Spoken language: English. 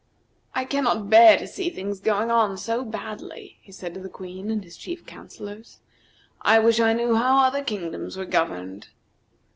"I cannot bear to see things going on so badly," he said to the Queen and his chief councillors. "I wish I knew how other kingdoms were governed."